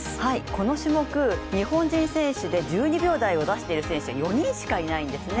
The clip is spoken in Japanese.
この種目、日本人選手で１２秒台を出している選手は４人しかいないんですね。